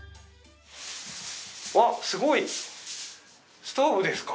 わっすごいストーブですか？